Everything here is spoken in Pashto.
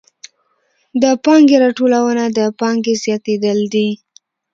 د پانګې راټولونه د پانګې زیاتېدل دي